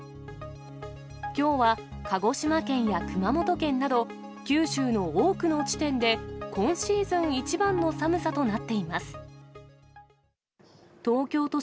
きょうは鹿児島県や熊本県など、九州の多くの地点で、今シーズン一番の寒さとなっています。